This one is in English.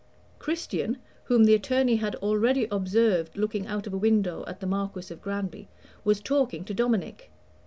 Christian, whom the attorney had already observed looking out of a window at the Marquis of Granby, was talking to Dominic.